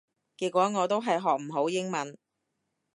結果我都係學唔好英文